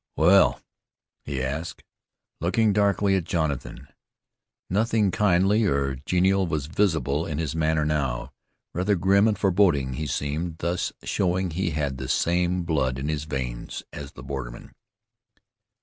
"Well?" he asked, looking darkly at Jonathan. Nothing kindly or genial was visible in his manner now; rather grim and forbidding he seemed, thus showing he had the same blood in his veins as the borderman.